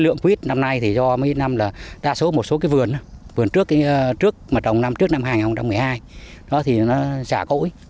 lượng quýt năm nay thì do mấy năm là đa số một số cái vườn vườn trước mà trồng năm trước năm hai nghìn một mươi hai đó thì nó giả cỗi